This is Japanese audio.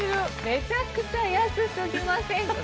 めちゃくちゃ安過ぎませんかこれ。